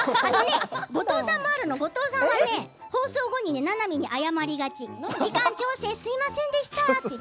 後藤さんは放送後にななみに謝りがち時間調整、すみませんでした。